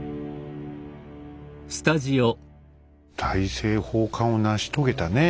大政奉還を成し遂げたねえ